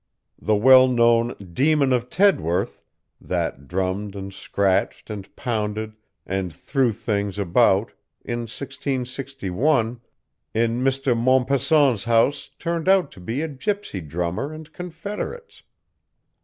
The well known "Demon of Tedworth," that drummed, and scratched, and pounded, and threw things about, in 1661, in Mr. Mompesson's house turned out to be a gipsy drummer and confederates.